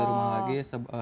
ada rumah lagi